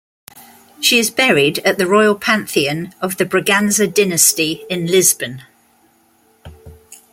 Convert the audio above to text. She is buried at the Royal Pantheon of the Braganza Dynasty in Lisbon.